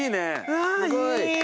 うわいい！